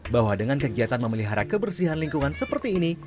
bahwa dengan kegiatan memelihara kebersihan lingkungan seperti ini